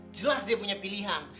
jelas dia punya pilihan